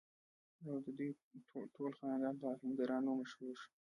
او ددوي ټول خاندان پۀ اهنګرانو مشهور شو ۔